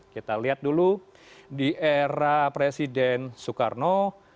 kita lihat dulu di era presiden soekarno